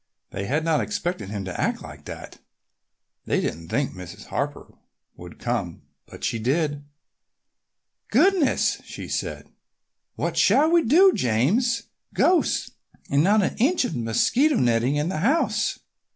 They had not expected him to act like that. They didn't think Mrs. Harper would come, but she did. "Goodness!" she said. "What shall we do, James? Ghosts! and not an inch of mosquito netting in the house!"